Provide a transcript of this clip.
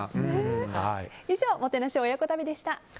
以上、もてなし親子旅でした。